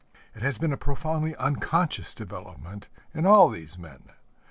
It has been a profoundly unconscious development in all these men.